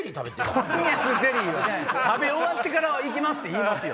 食べ終わってから行きます！って言いますよ